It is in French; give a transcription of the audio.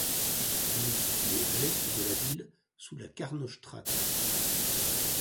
Elle est située à l'est de la ville sous la Carnotstraat.